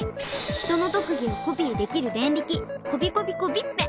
人の特技をコピーできるデンリキコピコピコピッペ。